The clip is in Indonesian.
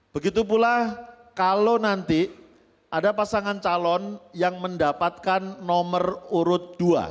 begitu pula kalau nanti ada pasangan calon yang mendapatkan nomor urut dua